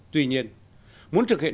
tuy nhiên muốn thực hiện